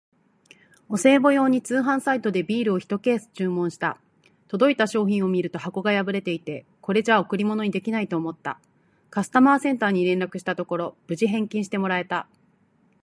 お歳暮用に通販サイトでビールをひとケース注文した。届いた商品を見ると箱が破れていて、これじゃ贈り物にできないと思った。カスタマーセンターに連絡したところ、無事返金してもらえた！